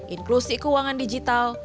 inklusi keuangan digital